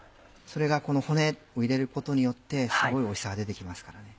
それがこの骨を入れることによってすごいおいしさが出て来ますからね。